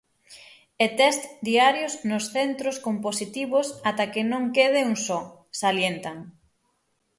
E tests diarios nos centros con positivos até que non quede un só, salientan.